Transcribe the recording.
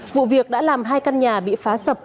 vụ việc đã làm hai căn nhà bị phá sập